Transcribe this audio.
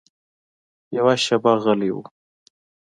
يوه شېبه غلی و.